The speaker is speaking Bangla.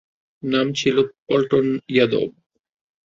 নাম ছিলো পল্টন ইয়াদব।